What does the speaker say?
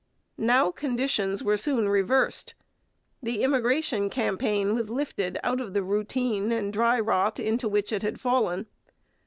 Now conditions were soon reversed. The immigration campaign was lifted out of the routine and dry rot into which it had fallen.